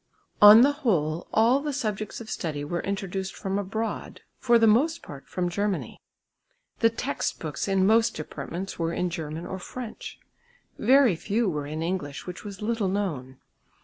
On the whole all the subjects of study were introduced from abroad, for the most part from Germany. The textbooks in most departments were in German or French. Very few were in English which was little known.